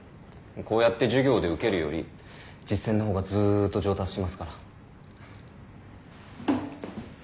こうやって授業で受けるより実践の方がずーっと上達しますから。